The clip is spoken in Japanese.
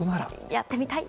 やってみたい。